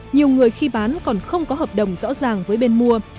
nhiều người khi bán còn không có hợp đồng rõ ràng với bên mua